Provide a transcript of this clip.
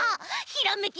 「ひらめき」